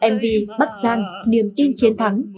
mv bắc giang niềm tin chiến thắng